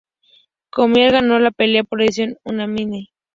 Cormier ganó la pelea por decisión unánime.